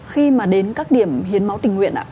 khi mà đến các điểm hiến máu tình nguyện ạ